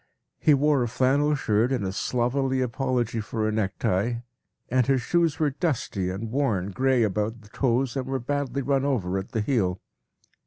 He wore a flannel shirt and a slovenly apology for a necktie, and his shoes were dusty and worn gray about the toes and were badly run over at the heel.